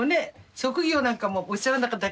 職業なんかもおっしゃらなかった。